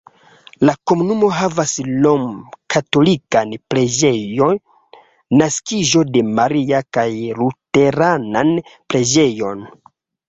La komunumo havas romkatolikan preĝejon Naskiĝo de Maria kaj luteranan preĝejon.